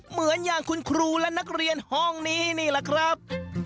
เหมือนอย่างคุณครูและนักเรียนห้องนี้นี่แหละครับ